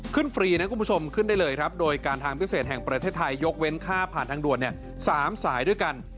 ฟรีนะคุณผู้ชมขึ้นได้เลยครับโดยการทางพิเศษแห่งประเทศไทยยกเว้นค่าผ่านทางด่วน๓สายด้วยกัน